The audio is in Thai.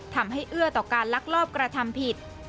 เอื้อต่อการลักลอบกระทำผิด